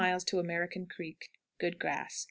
American Creek. Good grass.